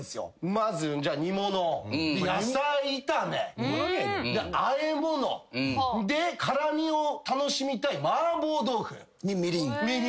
まずじゃあ煮物野菜炒めあえ物で辛味を楽しみたいマーボー豆腐みりん。